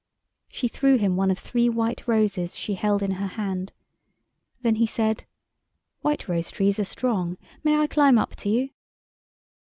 She threw him one of three white roses she held in her hand. Then he said— "White rose trees are strong. May I climb up to you?"